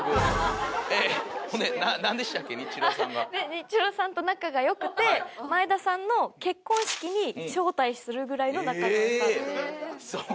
ニッチローさんと仲が良くて前田さんの結婚式に招待するぐらいの仲の良さっていう。